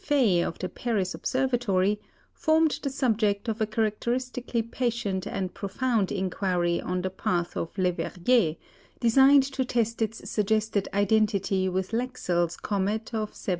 Faye of the Paris Observatory, formed the subject of a characteristically patient and profound inquiry on the part of Leverrier, designed to test its suggested identity with Lexell's comet of 1770.